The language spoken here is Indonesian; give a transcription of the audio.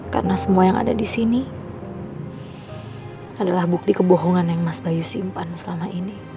karena semua yang ada di sini adalah bukti kebohongan yang mas bayu simpan selama ini